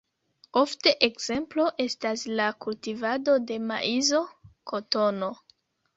Ofte ekzemplo estas la kultivado de maizo, kotono.